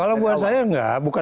kalau menurut saya enggak